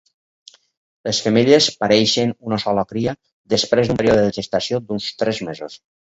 Les femelles pareixen una sola cria després d'un període de gestació d'uns tres mesos.